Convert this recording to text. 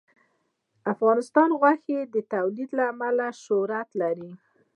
افغانستان د غوښې د تولید له امله شهرت لري.